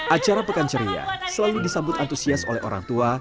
acara pekan ceria selalu disambut antusias oleh orang tua